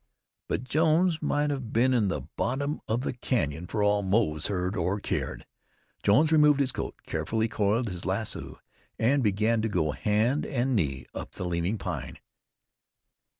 But Jones might have been in the bottom of the canyon for all Moze heard or cared. Jones removed his coat, carefully coiled his lasso, and began to go hand and knee up the leaning pine.